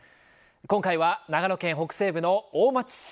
今回は、長野県北西部の大町市。